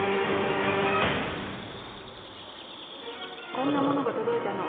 こんなものが届いたの。